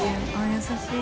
優しい。